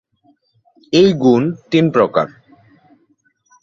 এই গুণ তিন প্রকার।